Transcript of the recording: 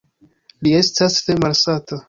Li estas tre malsata.